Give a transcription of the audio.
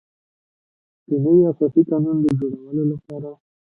د نوي اساسي قانون د جوړولو لپاره.